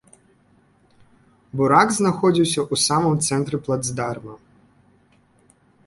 Бурак знаходзіўся ў самым цэнтры плацдарма.